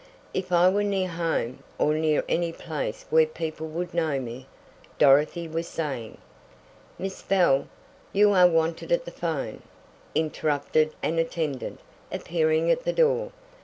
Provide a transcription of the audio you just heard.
If I were near home or near any place where people would know me " Dorothy was saying. "Miss Bell, you are wanted at the 'phone," interrupted an attendant, appearing at the door.